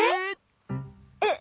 えっ？